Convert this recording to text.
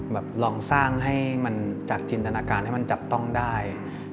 ลองสร้างให้มันจากจินตนาการให้มันจับต้องได้